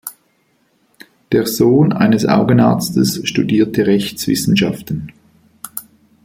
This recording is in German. Der Sohn eines Augenarztes studierte Rechtswissenschaften.